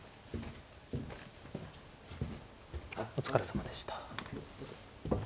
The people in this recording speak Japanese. お疲れさまでした。